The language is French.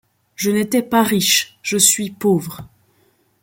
Je n’étais pas riche ; je suis pauvre.